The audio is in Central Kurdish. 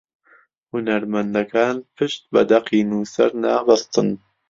هونەرمەندەکان پشت بە دەقی نووسەر نابەستن